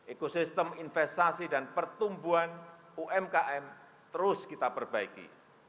ekosistem investasi dan pertumbuhan umkm terus kita perbaiki